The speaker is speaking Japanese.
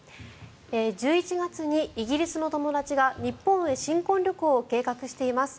１１月にイギリスの友達が日本へ新婚旅行を計画しています